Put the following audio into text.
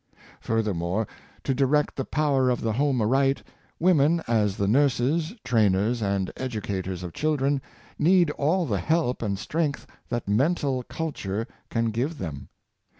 Furthermore, to direct the power of the home aright, women, as the nurses, trainers, and edu cators of children, need all the help and strength that mental culture can give them.